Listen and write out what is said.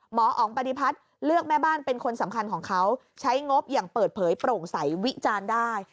หมออ๋องปฏิพัฒน์เลือกแม่บ้านเป็นคนสำคัญของเขาใช้งบอย่างเปิดเผยโปร่งใสวิจารณ์ได้